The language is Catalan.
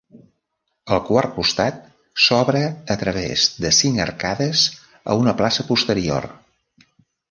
El quart costat s'obre a través de cinc arcades a una plaça posterior.